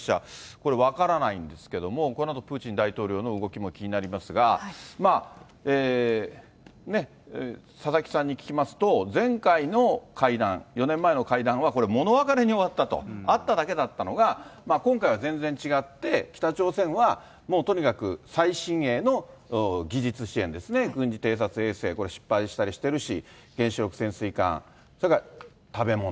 これ、分からないんですけれども、このあとプーチン大統領の動きも気になりますが、佐々木さんに聞きますと、前回の会談、４年前の会談は、物別れに終わったと、会っただけだったのが今回は全然違って、北朝鮮はもうとにかく最新鋭の技術支援ですね、軍事偵察衛星、これ、失敗したりしてるし、原子力潜水艦、それから、食べ物。